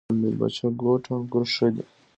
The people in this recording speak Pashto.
د میربچه کوټ انګور ښه دي